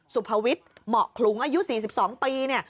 สุภวิทย์เหมาะขลุงอายุ๔๒ปีเนี่ย